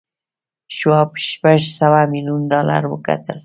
شواب شپږ سوه میلیون ډالر وګټل